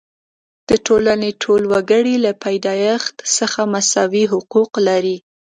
د ټولنې ټول وګړي له پیدایښت څخه مساوي حقوق لري.